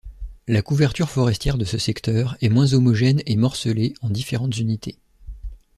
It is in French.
La couverture forestière de ce secteur est moins homogène et morcelée en différentes unités.